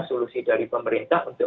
solusi dari pemerintah untuk